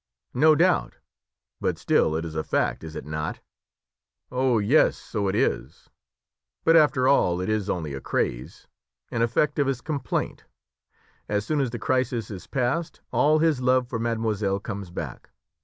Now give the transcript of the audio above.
"No doubt; but still it is a fact, is it not?" "Oh yes, so it is; but after all it is only a craze, an effect of his complaint. As soon as the crisis is past all his love for mademoiselle comes back.